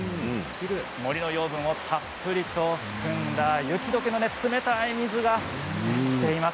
森の養分をたっぷりと含んだ雪どけの冷たい水が落ちています。